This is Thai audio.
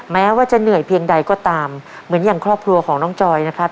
แม้ว่าจะเหนื่อยเพียงใดก็ตามเหมือนอย่างครอบครัวของน้องจอยนะครับ